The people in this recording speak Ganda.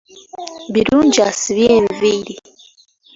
Birungi asibye enviiri.